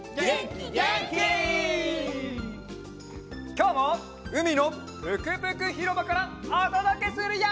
きょうもうみのぷくぷくひろばからおとどけするよ！